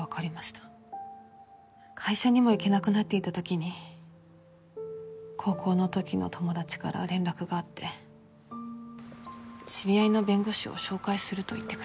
会社にも行けなくなっていた時に高校の時の友達から連絡があって知り合いの弁護士を紹介すると言ってくれたんです。